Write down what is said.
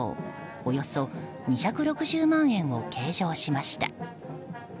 およそ２６０万円を計上しました。